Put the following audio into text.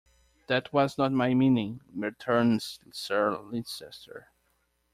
"That was not my meaning," returns Sir Leicester.